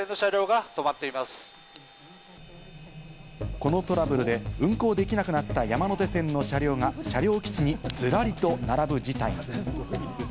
このトラブルで運行できなくなった山手線の車両が車両基地にずらりと並ぶ事態に。